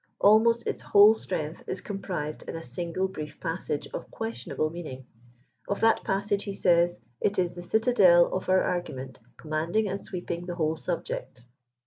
Almost its whole strength is comprised in a single brief passage of questibnable meaning. Of that passage he says "it is the citadel of our argument, com manding and sweeping the whole subject."